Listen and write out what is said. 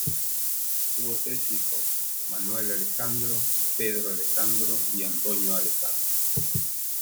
Tuvo tres hijos: Manuel Alejandro, Pedro Alejandro y Antonio Alejandro.